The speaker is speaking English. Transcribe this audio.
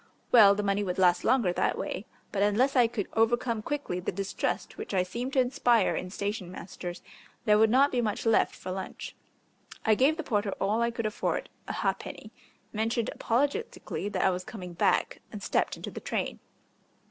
Well, the money would last longer that way, but unless I could overcome quickly the distrust which I seemed to inspire in station masters there would not be much left for lunch. I gave the porter all I could afford a ha'penny, mentioned apologetically that I was coming back, and stepped into the train.